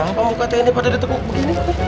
kenapa muka tni pada di toko begini